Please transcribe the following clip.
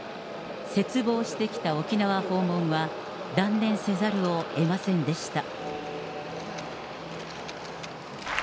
切望してきた沖縄訪問は、断念せざるをえませんでした。